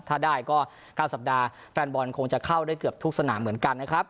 ถ้าได้ก็๙สัปดาห์แฟนบอลคงจะเข้าได้เกือบทุกสนามเหมือนกันนะครับ